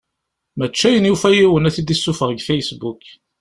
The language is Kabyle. Mačči ayen yufa yiwen ad t-id-yessufeɣ deg Facebook.